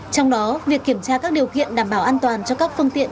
trong đó việc kiểm tra các điều kiện đảm bảo an toàn cho các phương tiện